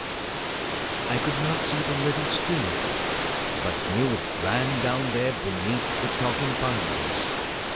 I could not see the little stream, but knew it ran down there beneath the talking pines.